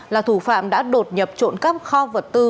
là thủ phạm đã đột nhập trộn các kho vật tư